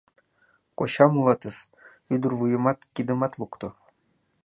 Кочам улатыс... — ӱдыр вуйымат, кидымат лукто.